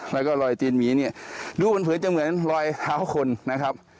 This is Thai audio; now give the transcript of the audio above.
แล้วก็รอยตีนหมีเนี่ยดูเหมือนจะเหมือนรอยเท้าคนนะครับ